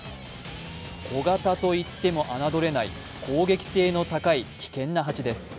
コガタといっても侮れない、攻撃性の高い危険な蜂です。